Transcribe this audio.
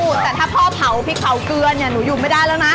แต่ถ้าพ่อเผาพริกเผาเกลือเนี่ยหนูอยู่ไม่ได้แล้วนะ